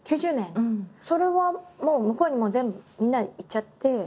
それはもう向こうに全部みんな行っちゃって。